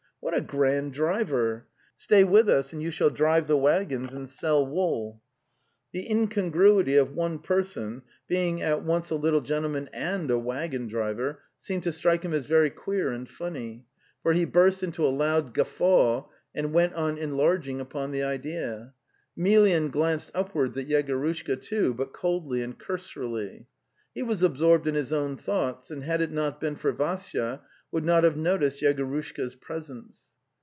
'' What a grand driver! Stay with us and you shall drive the waggons and sell wool." The incongruity of one person being at once a b] 224 The Tales of Chekhov little gentleman and a waggon driver seemed to strike him as very queer and funny, for he burst into a loud guftaw, and went on enlarging upon the idea. Emelyan glanced upwards at Yegorushka, too, but coldly and cursorily. He was absorbed in his own thoughts, and had it not been for Vassya, would not have noticed Yegorushka's presence.